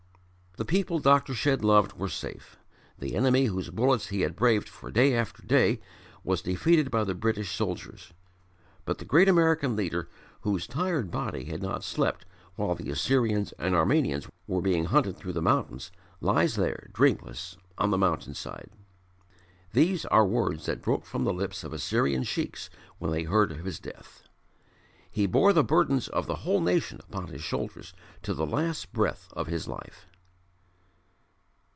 The people Dr. Shedd loved were safe. The enemy, whose bullets he had braved for day after day, was defeated by the British soldiers. But the great American leader, whose tired body had not slept while the Assyrians and Armenians were being hunted through the mountains, lies there dreamless on the mountain side. These are words that broke from the lips of Assyrian sheiks when they heard of his death: "He bore the burdens of the whole nation upon his shoulders to the last breath of his life.